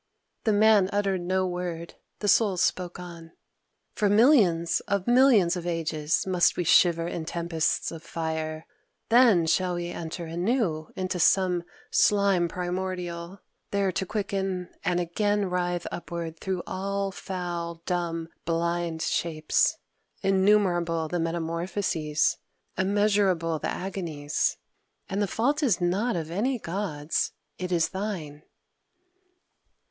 The Man uttered no word: the Souls spoke on: "For millions of millions of ages must we shiver in tempests of fire: then shall we enter anew into some slime primordial, there to quicken, and again writhe upward through all foul dumb blind shapes. Innumerable the metamorphoses! immeasurable the agonies!... And the fault is not of any Gods: it is thine!"